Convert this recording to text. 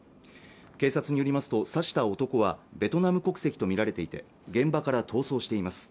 警察によりますと刺した男はベトナム国籍とみられていて現場から逃走しています